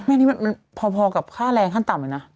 อืมนี่เป็นพอกับค่าแลงขั้นต่ำไงนะ